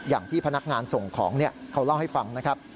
อย่างที่พนักงานส่งของเขาเล่าให้ฟังนะครับ